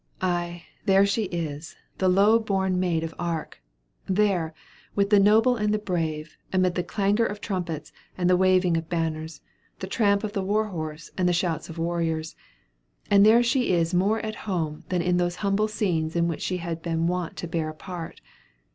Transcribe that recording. Ay, there she is, the low born maid of Arc! there, with the noble and the brave, amid the clangor of trumpets, the waving of banners, the tramp of the war horse, and the shouts of warriors; and there she is more at home than in those humble scenes in which she has been wont to bear a part.